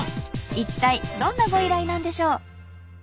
一体どんなご依頼なんでしょう？